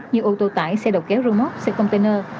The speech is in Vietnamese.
như ô tô tải xe độc kéo remote xe container